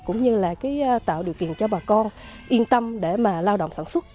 cũng như là tạo điều kiện cho bà con yên tâm để mà lao động sản xuất